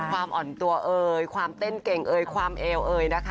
ความอ่อนตัวเอ่ยความเต้นเก่งเอ่ยความเอวเอยนะคะ